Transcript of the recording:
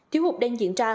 thiếu hụt đang diễn ra